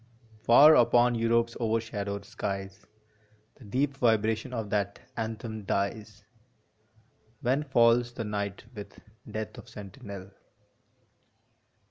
Far upon Europe s overshadowed skies The deep vibration of that anthem dies, When falls the night with Death for sentinel.